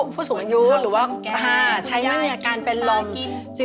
ผู้สูงอายุหรือว่าใช้ไม่มีอาการเป็นรอกิน